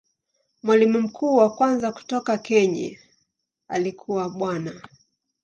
Mwalimu mkuu wa kwanza kutoka Kenya alikuwa Bwana.